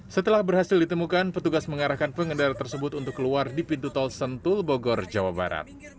setelah berhasil ditemukan petugas mengarahkan pengendara tersebut untuk keluar di pintu tol sentul bogor jawa barat